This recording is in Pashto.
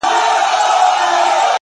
شېرينې ستا د مينې زور ته احترام کومه!!